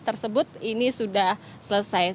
tersebut ini sudah selesai